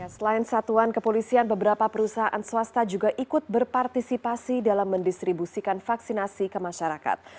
selain satuan kepolisian beberapa perusahaan swasta juga ikut berpartisipasi dalam mendistribusikan vaksinasi ke masyarakat